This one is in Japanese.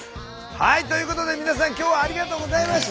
はいということで皆さんきょうはありがとうございました！